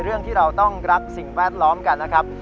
เรื่องที่เราต้องรักสิ่งแวดล้อมกันนะครับ